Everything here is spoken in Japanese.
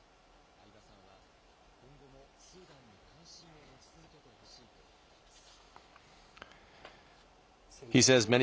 相波さんは、今後もスーダンに関心を持ち続けてほしいと訴えます。